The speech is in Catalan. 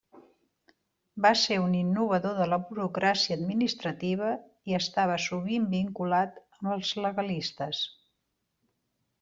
Va ser un innovador de la burocràcia administrativa i estava sovint vinculat amb els Legalistes.